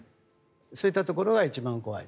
そういったところが一番怖い。